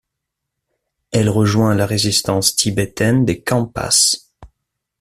Elle rejoint la résistance tibétaine des Khampas.